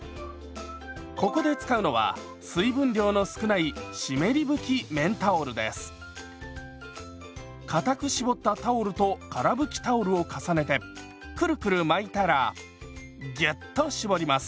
ここで使うのは水分量の少ないかたく絞ったタオルとから拭きタオルを重ねてクルクル巻いたらギュッと絞ります。